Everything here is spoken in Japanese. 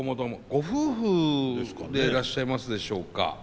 ご夫婦でいらっしゃいますでしょうか？